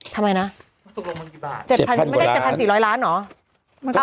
ทำไมนะไม่ได้๗๔๐๐ล้านเหรอ